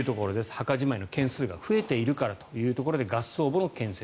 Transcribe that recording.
墓じまいの件数が増えているからというところで合葬墓の建設。